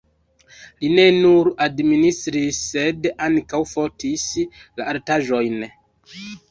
Li ne nur administris, sed ankaŭ fotis la artaĵojn.